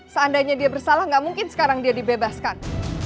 seandainya dia bersalah nggak mungkin sekarang dia dibebaskan